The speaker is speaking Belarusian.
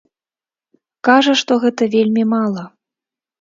Кажа, што гэтага вельмі мала.